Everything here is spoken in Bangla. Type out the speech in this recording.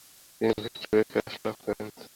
তিনি এই ভিক্টোরিয়া ক্রশ লাভ করেন।